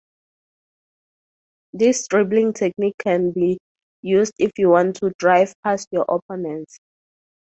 This dribbling technique can be used if you want to drive past your opponents.